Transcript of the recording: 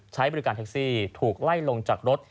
ใช้บริการแท็กซี่ถูกไล่ลงจากรถ